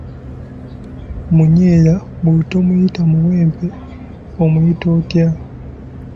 Munyeera bw'otomuyita muwempe omuyita otya?